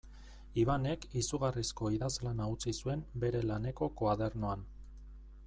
Ibanek izugarrizko idazlana utzi zuen bere laneko koadernoan.